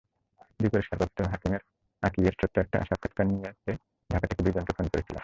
দুই পুরস্কারপ্রাপ্ত আঁকিয়ের ছোট্ট একটা সাক্ষাৎকার নিতে ঢাকা থেকে দুজনকে ফোন করেছিলাম।